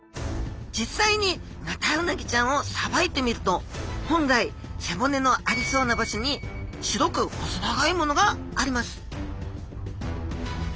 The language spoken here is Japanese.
実際にヌタウナギちゃんをさばいてみると本来背骨のありそうな場所に白く細長いものがあります